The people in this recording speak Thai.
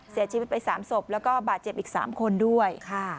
เสียชีวิตไป๓ศพแล้วก็บาดเจ็บอีก๓คนด้วย